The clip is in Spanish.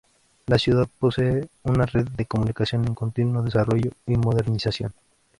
La ciudad posee una red de comunicación en continuo desarrollo y modernización.